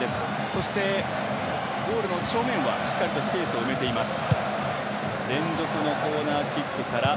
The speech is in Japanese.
そして、ゴールの正面はしっかりとスペースを埋めています。